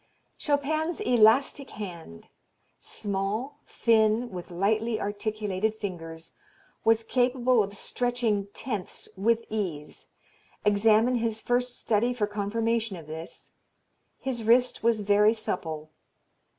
Chopin's elastic hand, small, thin, with lightly articulated fingers, was capable of stretching tenths with ease. Examine his first study for confirmation of this. His wrist was very supple.